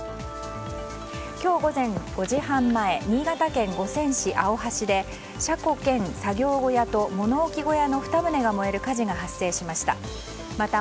今日午前５時半前新潟県五泉市青橋で車庫兼作業小屋と物置小屋の２棟が燃える火事が発生しました。